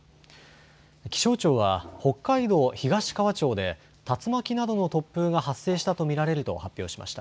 気象庁は北海道東川町で竜巻などの突風が発生したと見られると発表しました。